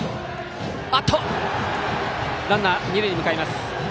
ランナー、二塁へ向かいます。